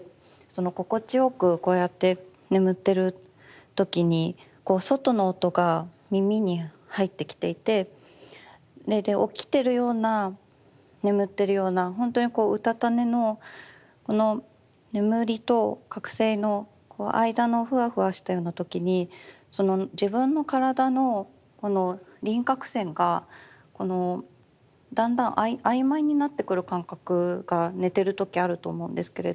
心地よくこうやって眠ってる時にこう外の音が耳に入ってきていて起きてるような眠ってるようなほんとにこううたた寝のこの眠りと覚醒の間のふわふわしたような時にその自分の体のこの輪郭線がだんだん曖昧になってくる感覚が寝てる時あると思うんですけれど。